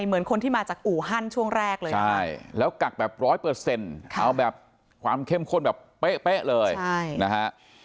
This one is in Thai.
เหมือนคนที่มาจากอู่ฮั่นช่วงแรกเลยใช่แล้วกักแบบร้อยเปอร์เซ็นต์เอาแบบความเข้มข้นแบบเป๊ะเลยนะฮะ